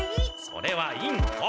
それはインコ！